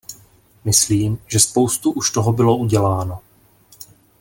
Myslím, že spoustu už toho bylo uděláno.